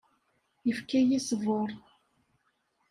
Yekfa-yi ṣṣber.